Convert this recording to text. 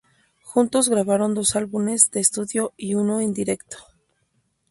Juntos grabaron dos álbumes de estudio y uno en directo.